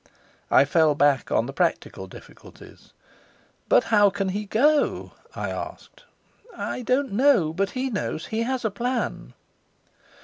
I fell back on the practical difficulties. "But how can he go?" I asked. "I don't know. But he knows; he has a plan."